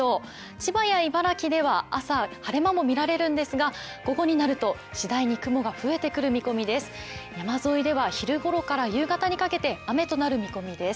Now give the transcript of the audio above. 千葉や茨城では朝晴れ間もみられるんですが午後になると、次第に雲が増えてくる見込みです。